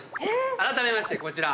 あらためましてこちら。